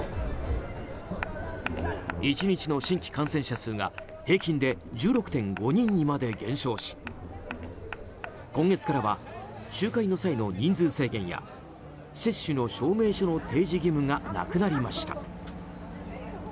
１日の新規感染者数が平均で１６．５人にまで減少し今月からは集会の際の人数制限や接種の証明書の提示義務がなくなりました。